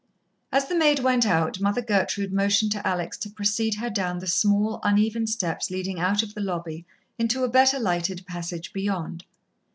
As the maid went out, Mother Gertrude motioned to Alex to precede her down the small, uneven steps leading out of the lobby into a better lighted passage beyond.